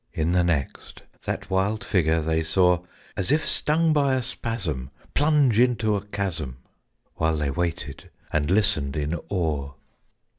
In the next, that wild figure they saw (As if stung by a spasm) plunge into a chasm, While they waited and listened in awe.